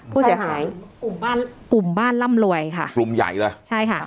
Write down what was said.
ผู้เสียหายกลุ่มบ้านกลุ่มบ้านร่ำรวยค่ะกลุ่มใหญ่เลยใช่ค่ะ